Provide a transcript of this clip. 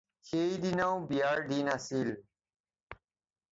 সেই দিনাও বিয়াৰ দিন আছে।